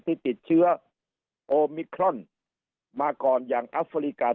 ที่ติดเชื้อโอมิครอนมาก่อนอย่างอัฟริกา